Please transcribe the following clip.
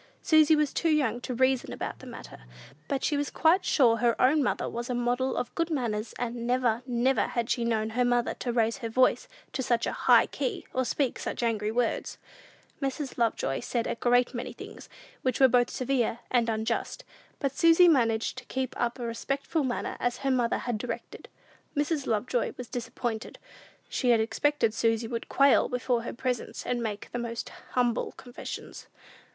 Susy was too young to reason about the matter; but she was quite sure her own mother was a model of good manners; and never, never had she known her mother to raise her voice to such a high key, or speak such angry words! Mrs. Lovejoy said a great many things which were both severe and unjust; but Susy managed to keep up a respectful manner, as her mother had directed. Mrs. Lovejoy was disappointed. She had expected Susy would quail before her presence and make the most humble confessions.